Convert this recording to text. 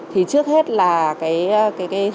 thì trước hết là cái hàng